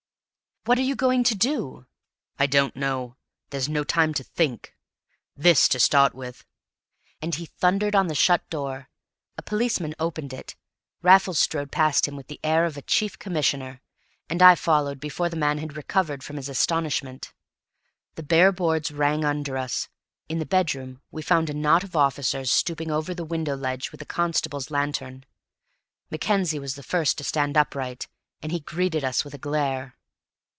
"What are you going to do?" "I don't know. There's no time to think. This, to start with." And he thundered on the shut door; a policeman opened it. Raffles strode past him with the air of a chief commissioner, and I followed before the man had recovered from his astonishment. The bare boards rang under us; in the bedroom we found a knot of officers stooping over the window ledge with a constable's lantern. Mackenzie was the first to stand upright, and he greeted us with a glare.